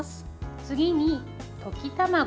次に溶き卵。